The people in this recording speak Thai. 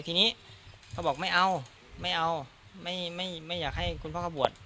ทีนี้เขาบอกไม่เอาไม่เอาไม่อยากให้คุณพ่อเขาบวช